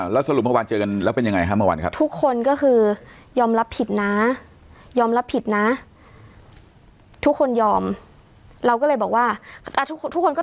แล้วสรุปเมื่อเจอกันแล้วเป็นยังไงครับเมื่อวันทุกคนก็คือยอมรับผิดนะทุกคนยอมเราก็เลยบอกว่าทุกคนก็ต่อลองแล้วค่ะ